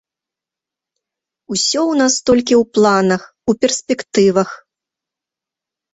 Усё ў нас толькі ў планах, у перспектывах.